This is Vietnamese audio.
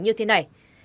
như thế này